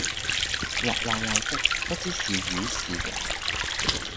滑溜溜的不知是魚是人，